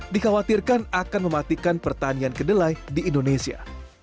dikhawatirkan akan mematikan pertanian kedelai di indonesia